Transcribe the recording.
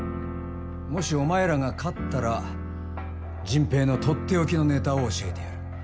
もしお前らが勝ったら迅平のとっておきのネタを教えてやる。